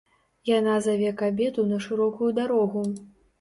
Яна заве кабету на шырокую дарогу.